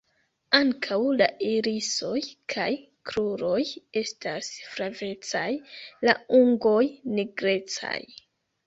Ankaŭ la irisoj kaj kruroj estas flavecaj; la ungoj nigrecaj.